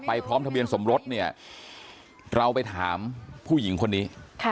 พร้อมทะเบียนสมรสเนี่ยเราไปถามผู้หญิงคนนี้